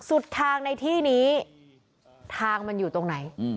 สุดทางในที่นี้ทางมันอยู่ตรงไหน